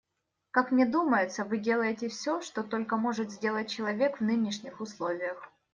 Как мне думается, вы делаете все, что только может сделать человек в нынешних условиях.